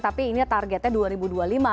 tapi ini targetnya dua ribu dua puluh lima